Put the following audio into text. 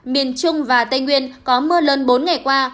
miền trung và tây nguyên có mưa lớn bốn ngày qua